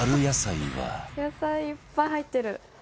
野菜いっぱい入ってる。